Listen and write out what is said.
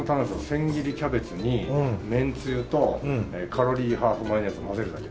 千切りキャベツにめんつゆとカロリーハーフマヨネーズを混ぜるだけという。